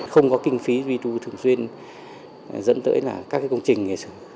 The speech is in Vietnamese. không có kinh phí duy tru thường xuyên dẫn tới là các công trình